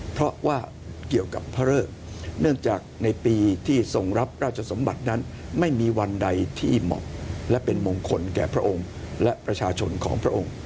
เพราะว่าเกี่ยวกับพระเริกเนื่องจากในปีที่ทรงรับราชสมบัตินั้นไม่มีวันใดที่เหมาะและเป็นมงคลแก่พระองค์และประชาชนของพระองค์